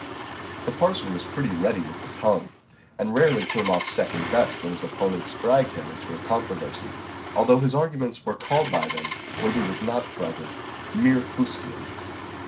The parson was pretty ready with the tongue, and rarely came off second best when his opponents dragged him into a controversy, although his arguments were called by them, when he was not present, "mere fustian."